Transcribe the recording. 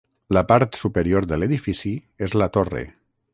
La part superior de l'edifici és la torre.